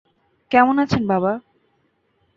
কেমন আছেন, বাবা?